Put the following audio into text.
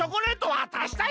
わたしたい！